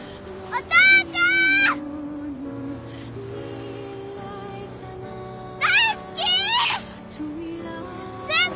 お父ちゃん！